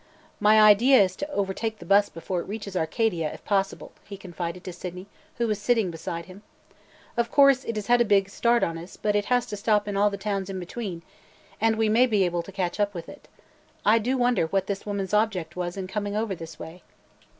"My idea is to overtake the bus before it reaches Arcadia, if possible," he confided to Sydney, who was sitting beside him. "Of course, it has a big start on us but it has to stop in all the towns in between, and we may be able to catch up with it. I do wonder what this woman's object was in coming over this way."